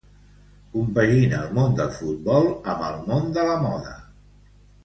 Compagina el món del futbol amb el món de la moda.